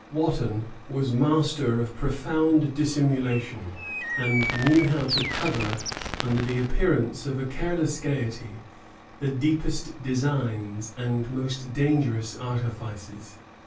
Wotton was master of profound dissimulation, and knew how to cover, under the appearance of a careless gayety, the deepest designs and most dangerous artifices.